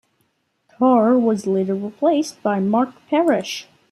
Carr was later replaced by Mark Parrish.